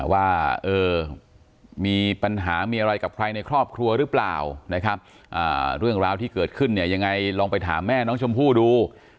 ว่ามีปัญหามีอะไรกับใครในครอบครัวหรือเปล่านะครับเรื่องราวที่เกิดขึ้นเนี่ยยังไงลองไปถามแม่น้องชมพู่ดู